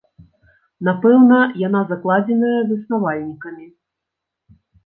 Напэўна, яна закладзеная заснавальнікамі.